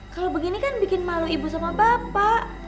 kalau begini kan bikin malu ibu sama bapak